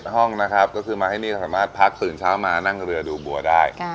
ห้องนะครับก็คือมาที่นี่สามารถพักตื่นเช้ามานั่งเรือดูบัวได้